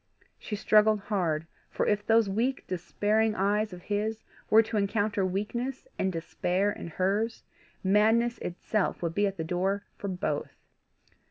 She struggled hard, for if those weak despairing eyes of his were to encounter weakness and despair in hers, madness itself would be at the door for both.